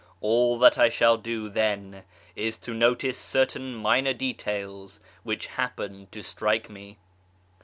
All that I shall do, then, is to notice certain minor details which happened to strike me.